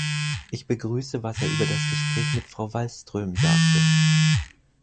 Ich begrüße, was er über das Gespräch mit Frau Wallström sagte.